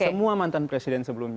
semua mantan presiden sebelumnya